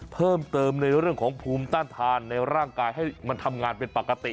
เพิ่มเติมในเรื่องของภูมิต้านทานในร่างกายให้มันทำงานเป็นปกติ